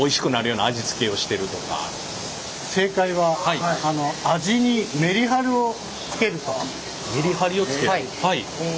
正解はメリハリをつける。